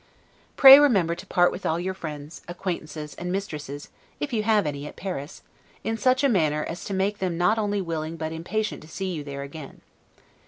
Pray remember to part with all your friends, acquaintances, and mistresses, if you have any at Paris, in such a manner as may make them not only willing but impatient to see you there again.